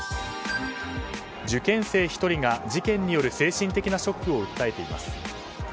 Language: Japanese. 受験生１人が事件による精神的ショックを訴えています。